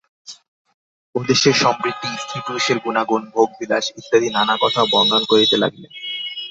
ওদেশের সমৃদ্ধি, স্ত্রী-পুরুষের গুণাগুণ, ভোগবিলাস ইত্যাদি নানা কথা বর্ণন করিতে লাগিলেন।